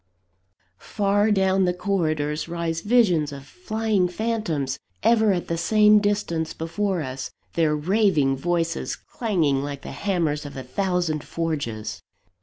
Far down the corridors rise visions of flying phantoms, ever at the same distance before us their raving voices clanging like the hammers of a thousand forges.